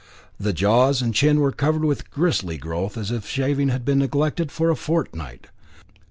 The jaws and chin were covered with a bristly growth, as if shaving had been neglected for a fortnight.